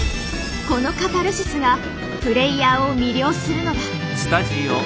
このカタルシスがプレイヤーを魅了するのだ。